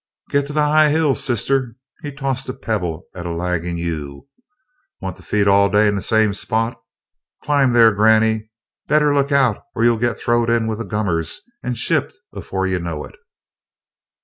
"Git to the high hills, Sister!" He tossed a pebble at a lagging ewe. "Want to feed all day in the same spot? Climb, there, Granny! Better look out or you'll git throwed in with the gummers and shipped afore you know it!"